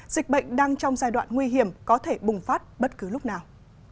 dịch bệnh đang trong giai đoạn nguy hiểm có thể bùng phát bất cứ lúc nào